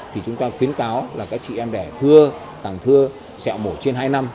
thì chúng ta khuyến cáo là các chị em đẻ thưa càng thưa xeo mổ trên hai năm